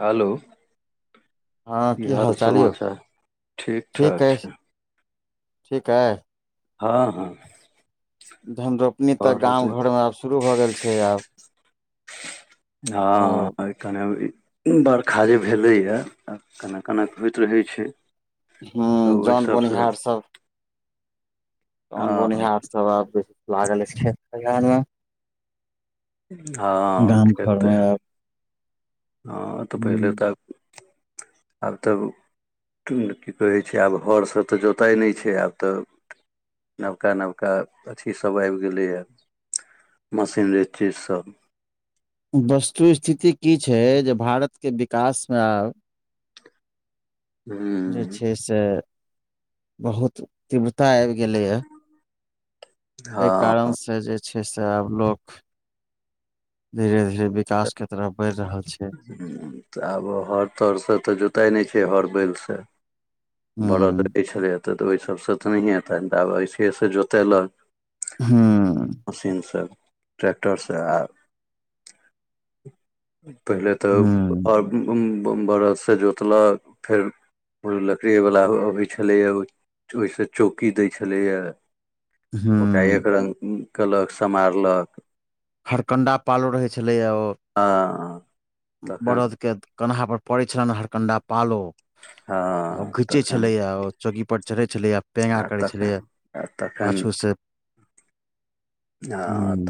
हलो हँ की हाल चाल यौ समाचार ठीक ठाक छै ठीक अए हँ हँ धन रोपनी तऽ आओर होतै गाँव घर मे आब शुरू भऽ गेल छै आब ओ हँ अय कने ई बरखा जे भेलैय कने कने होइत रहै छै हुँ तऽ ओहि जोन सबसँ बोनिहार सब जोन हँ बोनिहार सब आब लागल अछि खेत खलिहान मे हँ गाम घर खेतै मे आब हँ तऽ पहिले तऽ आब तऽ टुंड की कहैय छै आब हर सँ तऽ जोताय नय छै आब तऽ नवका नवका अथी सभ आइब गेलै य मशीनरी चीज सब वस्तु स्थिति की छै जे भारत केँ विकास मे आब [inaudible] जे हूँ छैय से बहुत तीव्रता आबि गेलै य एह कारण हँ से जे छै से आब लोक धीरे धीरे वि कास केँ तरफ बढ़ि रहल छै हुँ तऽ आब ओ हर तर सँ तऽ जोताय नय छै हर बैल सँ बरद हूँ एतै छलै य तऽ तऽ ओहि सभसँ तऽ नहिए हेतैन तऽ आब अइसेसँ जोतेलक हुँ मशीन सँ ट्रैक्टर सँ आर पहिले तऽ हूँ आ [unintelligible] बरदसँ जोतलक फेर लकड़ी वला एगो आबै छलैय उ ओहि सँ चौकी दै छलैय ओकरा हूँ एक रंग केलक समारलक हरकंडा पालो रहे छले यऽ ओ हँ तखन बरद केँ कन्हा पर पड़े छलैनि हरकंडा पालो आ ओ हँ घीचे तखन छले य ओ चौकी पर चढ़े छलैय पेना आ करै छलै तखन यऽ आ तखन पाछू सँ हँ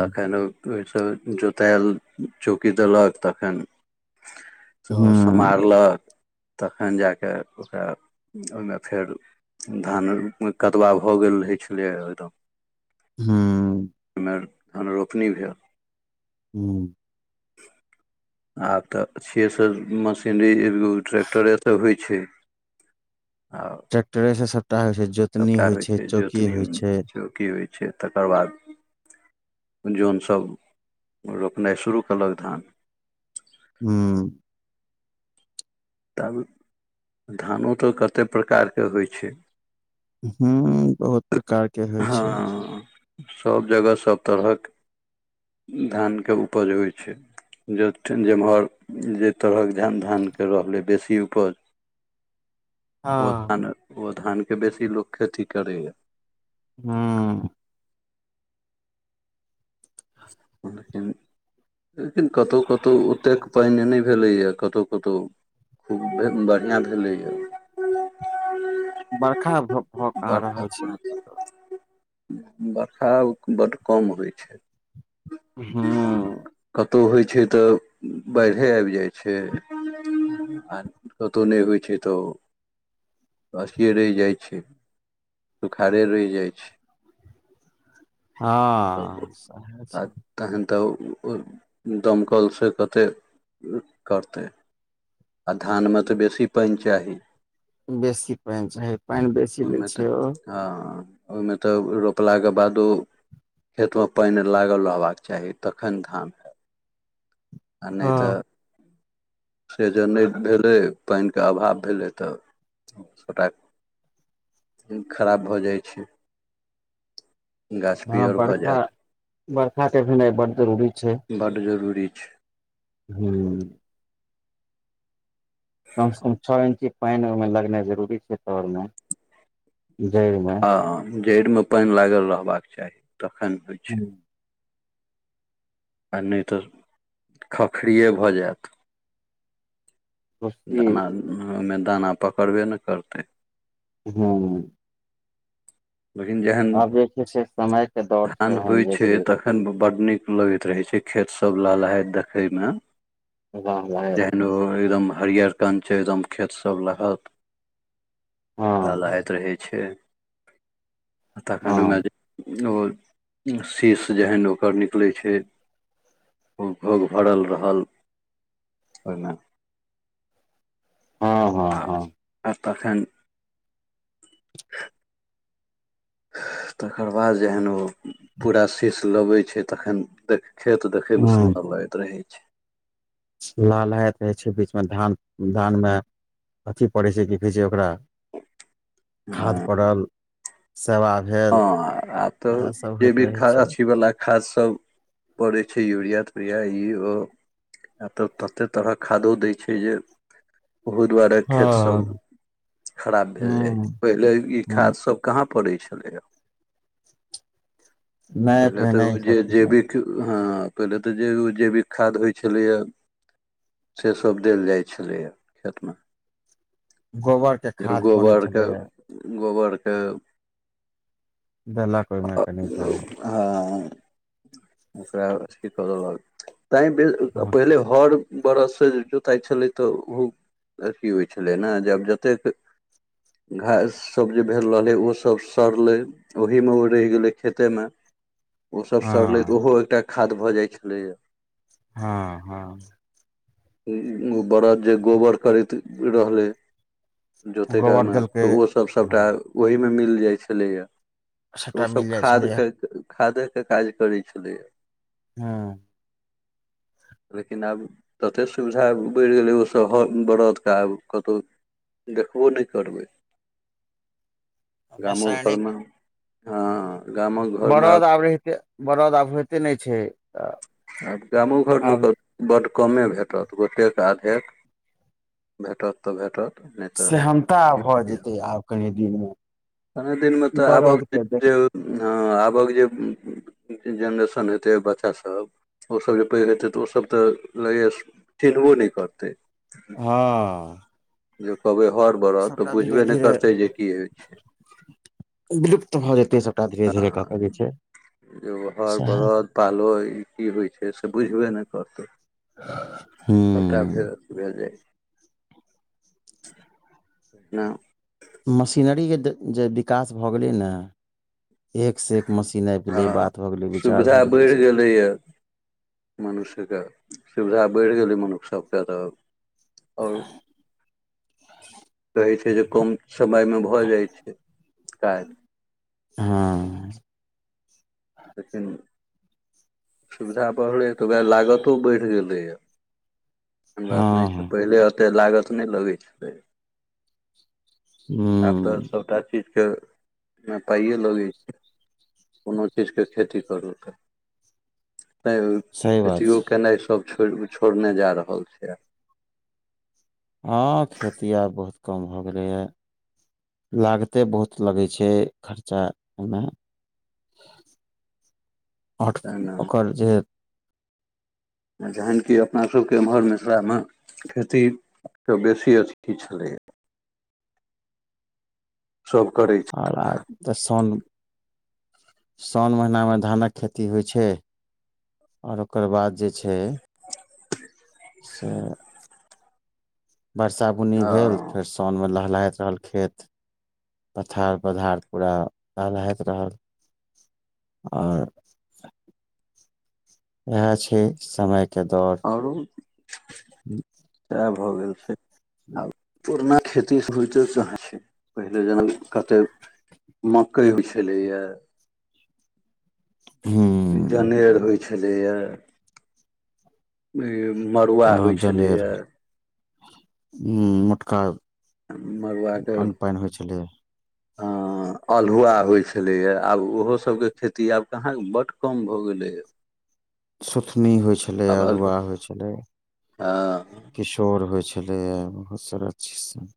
तखैन उ ओहिसँ जोतायल चौकि देलक तखैन से ओ हुँ समारलक तखैन जा कऽ ओकरा ओहिमे फेर धान कदबा भऽ गेल रहै छलै एकदम हुँ आयमे धन रोपनी भेल हुँ [inaudible] आब तऽ से सब मशीनरी एगो ट्रैक्टरे सँ होइ छै आ ट्रैक्टरे सँ सबटा होइ छै जोतनी होइ छै चौकी होइ छै की होइ छै तकर बाद जोन सब रोपनाइ शुरू केलक धान हुँ ताबे धानो तऽ कते प्रकार केँ होइ छै हुँ बहुत प्रकार केँ होइ छै सब जगह सब तरहक धान केँ उपज होइ छै जठ जेम्हर जय तरहक घान धान केँ रहलै बेसी उपज ओ हँ धान ओ धान केँ बेसी लोक खेती करै य हुँ लेकिन लेकिन कतहु कतहु ओतेक पाइन नय भेलैय कतौ कतौ खूब बढ़िया भेलैय बरखा भऽ भऽ कहाँ बरखा रहल छै अब तऽ बरखा बड्ड कम होइ छै हुँ कतहु होइ छै तऽ बइढ़े आइब जाइ छै आ कतहु नय होइ छै तऽ ओ अथिये रैह जाइ छै सुखाड़े रैह जाइ छै हँ सेहा तऽ छै तहन तऽ ओ दमकल से कते करतै आ धानमे तऽ बेसी पाइन चाही बेसी पानि चाही पाइन बेसी लै ओहिमे तऽ छै ओ हँ ओहिमे तऽ रोपला कऽ बादो खेत मऽ पानि लागल रहबाक चाही तखन धान आ नहि हँ तऽ से जो नय भेलै पाइन केँ अभाव भेलै तऽ सभटा फेन खराब भऽ जाइ छै गाछ हँ पीयर भऽ बरखा जायत बरखा के भेनाय बहुत जरूरी छै बड्ड जरूरी छै हूँ कम से कम छः इंची पैन ओइमें लगनाइ जरूरी छै तर मे जड़ में हँ जड़मे पैन लागल रहबाक चाही तखन होइ छै हूँ, आ नइ तऽ खखरिये भऽ जायत खुशी दाना ओइमे दाना पकड़बै ने करतै हां [unintelligible] जेहन आब जे छै से समय के दौड़ छै धान एहन होइ छै जेकि तख खन बड नीक लगैत रहे छै खेत सब लहलहायत दखए मे लाह लहैत जेहन ओ एकदम हरियर कंच एकदम खेतसभ लहत हँ लहलहायत रहै छैय तखन ओएमे हँ जे ओ शीश जेहन ओकर निकलै छै खुब घोग भरल रहल ओइमे हँ हँ आ हँ आऽ तखेन तकर बाद जहेन ओ पूरा शीस लबैत छै तखन देख खेत देखे म सुंदर लगैत रहै लहलहायत रहै छै बीच में धान धान मे अथी पड़ै छै की कहै छै ओकरा खाद हँ पड़ल सेवा भेल हँ आ तऽ इएह सब जे होइत भी रहै खैर छै अछी बला खाद सब पड़ै छै यूरिया तूरिया ई ओ आ तऽ ततेक तरहक खादो दैत छै जे ओहू दुआरे हँ खेतसभ खराब भेल जाइ ह छै पहिले ई ह खादसभ कहाँ पड़ै छलैय नहि पहिले तऽ पहिने ओ ई जे सब चीज नहि जैविक हँ पहिले तऽ जेैव जैविक खाद होइ छलैए से सब देल जाइ छलैए खेतम गोबर के खाद बने छलैया गोबर के देलक ओइमे कनीक ओ हँ [inaudible] तैं हँ पहिले हर बरद से जोताइ छलै तऽ ओहो अथी होइ छलै ने अब जतेक घास सब जे भेल रहलै ओसभ सड़लै ओहीम ओ रेह गेलै खेते मे ओसभ सड़ले हँ तऽ ओहो एकटा खाद भऽ जाइ छलैए हँ हँ बरद जे गोबर करैत रहलै जोतय गोबर कालमे देलकै उहोसभ सभटा हँ ओहीमे मिल जाइ छलैएया सबटा ओसभ मिल जाइ छलैए खादके खादे के काज करे छलैया हँ [inaudible] लेकिन आब ततेक सुविधा बढ़ि गेलै ओसभ हर बरदके आब कतो देखबो नइ करबै गामो रसायनिक घरमे हँ गामो घरमे बरद आब रहिते ने बरद आब होइते नइ छै तऽ आब गामो घरमे आब तऽ बड कमे भेटत गोटेक आधेके भेटत तऽ भेटत नहि सेहनता भऽ तऽनहिये। जेतै आब कनि दिनमे कने दिनमे तऽ आबक बरद के देख जे हँ आबक जे जेनरेशन हेतै बच्चासभ ओसभ जे पैघ हेतै तऽ ओसभ तऽ लगैया चिनभो नहि करतै। हँ जे कहबै हर बड़द तऽ सबटा धीरे बुझबे नहि धीरे करतै जे की होइत छैय। विलुप्त भऽ जेतै सबटा धीरे धीरे क हँ कऽ जे छैय सए। पालोय इ कि होइ छैय से बुझबे नहि करतै सबटा हूँ भेल भेल जाय [unintelligible] मशीनरीके जे विकास भऽ गेलै न एकसँ एक मशीन आबि गेलै बात भऽ गेलै विचार भऽ गेलै सब। नहि एत। मनुष्यके सुविधा बढ़ि गेलै मनुष्य सबके तऽ आओर [inaudible] कहै छैय जे कम समयमे भऽ जाइ छैय काज। हँ लेकिन सुविधा बढ़लै तऽ वैह लागतो बढ़ि गेलैया। एहन बात नहि हँ छैय हँ पहिले ओतेक लागत नहि लगै छलै। आब त हुँ सबटा चीजके पाइयै लगै छैय कोनो चीजके खेती करू तऽ नहि सही बात खेतियो छै केनाइ सब छो छोड़ने जा रहल छैय। हँ खेती आब बहुत कम भऽ गेलैए। लागते बहुत लगै छैय खर्चा एहिमे। आओर तै न। ओकर जे ह जखहन कि अपनासभके एम्हर मिथिलामे खेतीके बेसी अथी छलैया। सब करै छै आओर आब त सन साओन महिनामे धानक खेती होइ छैय। आओर ओकर बाद जे छैय से बरसा बुन्नी हँ भेलऽ फेर साओनमे लहलाइत रहल खेत। पथार पथार पूरा लहलाइत रहल आओर वैह छैय समयके दौर। आओर हू सएह भऽ गेल छैय आब पुरना खेतीसँ होते कहाँ छैय पहिले जेना कतेक मक्कई होइ छलैया। हँ जनेर होइ छलैया। मड़ुआ अ होइ छलैय। हु ‌मोटका‌ मड़ुआके दाम अल्हुआ होइ छलैया आब ओहो सबके खेती आब कहाँक बड कम भ गेलैय सुथनी होइ छलै आब अल्हु अलहुआ होइ छलैह हँ किशोर होइ छलैए बहुत सारा चीज सब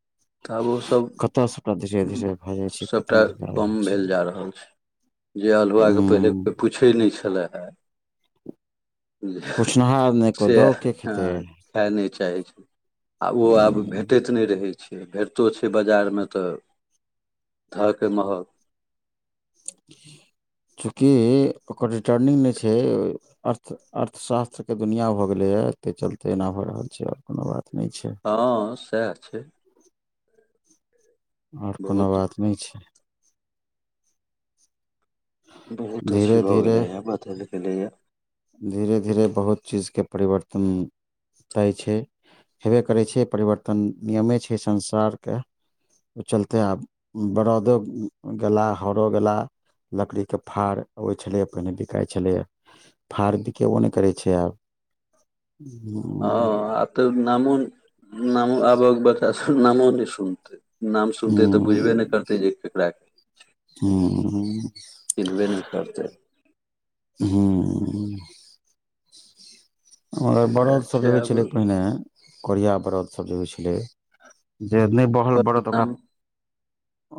तब ओसभ कतऽ सबटा धीरे धीरे भए जाइ छै खतम सबटा भी भए रहल कम छै भेल जा रहल छैय। जे अल्हुआके पहिले हूँ कोइ पूछै नैय छलाह हं पुछनिहार नहि [inaudible] कोइ दहो सैह के खेतै हं खाए नये चाहै छैय आ ओ आब उम्म भेटैत नहि रहैत भेटितो छैय बजारमे तऽ धऽ क महग चूँकि ओकर रिटर्निंग नहि छैए अर्थ, अर्थशास्त्रके दुनिआँ भऽ गेलैए एकै चलते एना भऽ रहल छैय आओर कोनो बात नयै छैय ह सेए छै और कोनो बहुत बात नहि छै बहुत धीरे अच्छी भए धीरे गेले या बदल गेले या धीरे धीरे बहुत चीजके परिवर्तन तय छै हेबे करै छै परिवर्तन नियमे छै संसारकें ओ चलते आब बड़ौदो गेला हरो गेला लकड़ी के फार अबै छलै पहिने बिकाइ छलै य फार बिकेबो नहि करै छै आब हं म्मम हँ आब तऽ नामो नामो आबक बच्चा सभ नामो नहि सुनते नाम सुनते तऽ बुझबै ने करते जे केकरा के हम्म- चिन्हबे नहि हु करतै हु हु मगर उएह बरदसभ जे छै होइ आब छलै पहिने कोढ़िया बरदसभ जे होइ छलै जे नहि बहल बड़त ओकरा नाम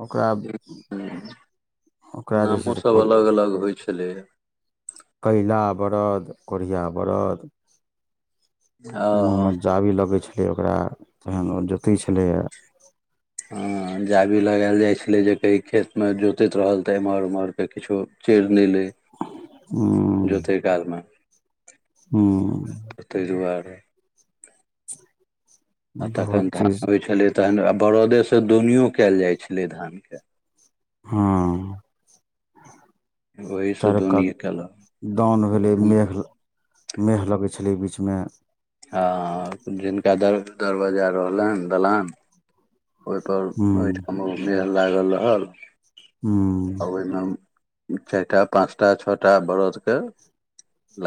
ओकरा ओकरा जे छै से को पोलो कहेय छलैया कैयला बरद कोढ़िया बरद हँ मुँह मे जाबी लागय छलै ओकरा तखन ओ जोतैत छलैए या [unintelligible] ह जाबी लगायल जाय छले जे कहि खेत में जोतैत रहल ते एम्हर उम्हर के किछो चेड़ न ले जोते कालम हूम्मममम ते दुआरे आ बहुत तखन धान चीज होइ छलै तहन आ बरदेसँ दौनिओ कयल जाइ छलै धानके हँहह - ओहिसँ चारो दौनी कात केलक दौन भेलै मेहग मेह लगै छलै बीचमे हँ जिनका दर दरवाजा रहलै दलान ओहिपर हूँ ओहिठाम ओ मेेल लागल रहल हँम्म आ ओहिमे हम चारि ट पाँच टा छओटा बरदके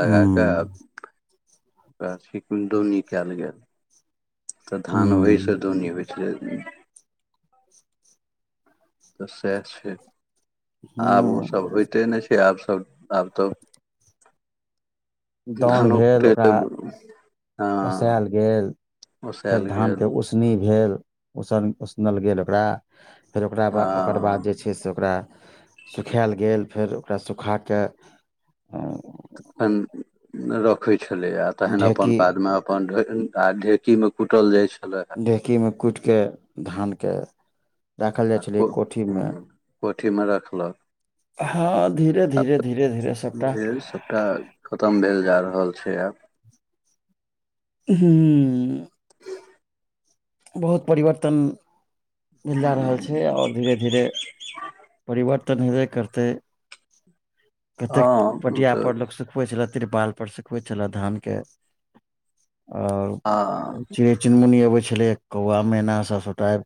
लग हूँ कऽ सि दौनी कल गेल तऽ धान ओहि हूँ दौनी होय छले तऽ सहत छै आब ओसब हूँ होइते नै छै आब सब आब तऽ दाउन भेल धनुकके ओकरा त हँ ओसायल ओसएल गेल ओक फर ओाद [unintelligible] हँ फेर स ओकरा सुखएल गेल फेर स ओकरा सुखाक तखन रखैय छलै या तहन अपन ढेकी बादमे अपन आ ढेकी मे कुटल जाय छलए ढेकीमे कुटिके धानके राखल आ जाइ छलै ह कोठीमे- कोठीमे रखलक हँ धीरे आब धीरे धीरे धीरे सबटा जे सभटा खतम भेल जा रहल छै आब हूँ बहुत परिवर्तन भेल- जा रहल छै आओर धीरे धीरे धीरे परिवर्तन हेबे करतै कतेक हँ पटिया तऽ पर लोक सुख सुखबै छल तिरपाल पर सुखबै छल धान के आ आ चिड़ चुनमुनी अबै छलै कौआ मैना सब सबटा आबि